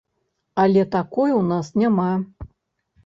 Але такой у нас няма.